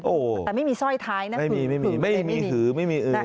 โอ้โหแต่ไม่มีสร้อยท้ายนะไม่มีไม่มีไม่มีไม่มีไม่มีไม่มีอือ